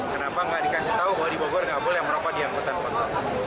kenapa nggak dikasih tahu bahwa di bogor nggak boleh merokok di angkutan kota